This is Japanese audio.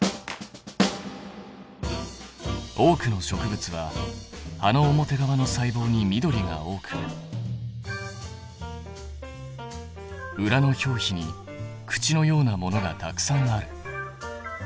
多くの植物は葉の表側の細胞に緑が多く裏の表皮に口のようなものがたくさんある。